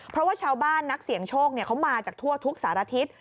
เพราะว่าชาวบ้านนักเสี่ยงโชคเขามาจากทั่วทุกสารทิศ